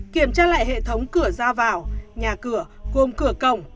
kiểm tra lại hệ thống cửa ra vào nhà cửa gồm cửa cổng